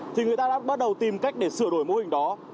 thì người ta đã bắt đầu tìm cách để sửa đổi mô hình đó